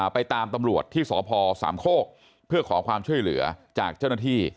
ไปตามตำรวจที่สพสามโคกเพื่อขอความช่วยเหลือจากเจ้าหน้าที่